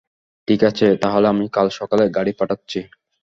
ঠিকাছে, তাহলে আমি কাল সকালে গাড়ি পাঠাচ্ছি।